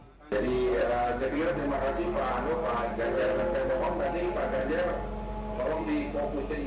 jadi saya kira terima kasih pak anwar pak ganjar